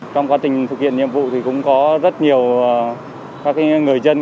trong quá trình thực hiện nhiệm vụ thì cũng có rất nhiều các người dân